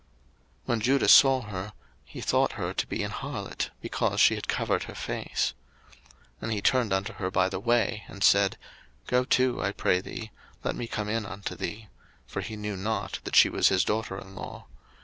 01:038:015 When Judah saw her, he thought her to be an harlot; because she had covered her face. 01:038:016 And he turned unto her by the way, and said, Go to, I pray thee, let me come in unto thee; (for he knew not that she was his daughter in law.)